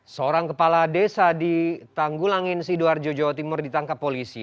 seorang kepala desa di tanggulangin sidoarjo jawa timur ditangkap polisi